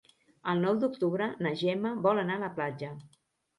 El nou d'octubre na Gemma vol anar a la platja.